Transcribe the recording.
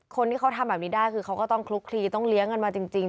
คนที่เขาทำแบบนี้ได้คือเขาก็ต้องคลุกคลีต้องเลี้ยงกันมาจริง